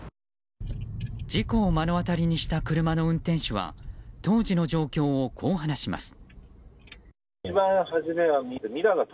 事故を目の当たりにした車の運転手は当時の状況をこう話します。